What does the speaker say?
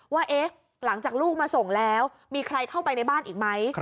ว่าหลังจากลูกมาส่งแล้วมีใครเข้าไปในบ้านอีกไหม